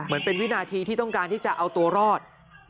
เหมือนเป็นวินาทีที่ต้องการที่จะเอาตัวรอด